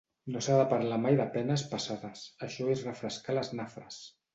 No s'ha de parlar mai de penes passades, això és refrescar les nafres.